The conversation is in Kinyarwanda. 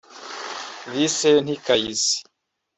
Vincent Kayizi